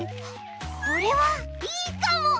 これはいいかも！